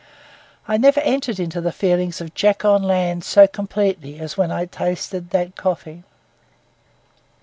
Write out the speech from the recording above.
I never entered into the feelings of Jack on land so completely as when I tasted that coffee.